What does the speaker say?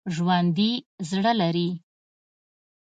ژوندي زړه لري